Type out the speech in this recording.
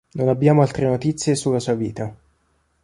Non abbiamo altre notizie sulla sua vita.